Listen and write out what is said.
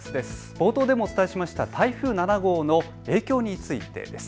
冒頭でもお伝えしました台風７号の影響についてです。